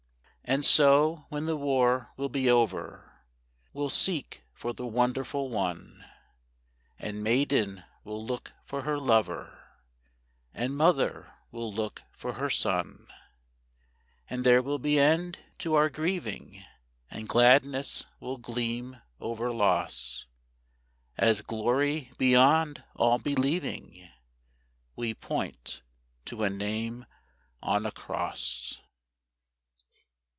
And so, when the war will be over, We'll seek for the Wonderful One; And maiden will look for her lover, And mother will look for her son; And there will be end to our grieving, And gladness will gleam over loss, As glory beyond all believing! We point ... to a name on a cross.